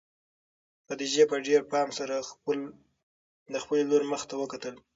خدیجې په ډېر پام سره د خپلې لور مخ ته وکتل.